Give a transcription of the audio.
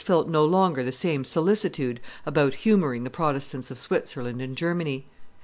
felt no longer the same solicitude about humoring the Protestants of Switzerland and Germany.